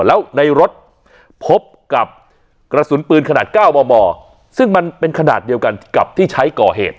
แล้วในรถพบกับกระสุนปืนขนาด๙มมซึ่งมันเป็นขนาดเดียวกันกับที่ใช้ก่อเหตุ